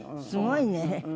すごいね。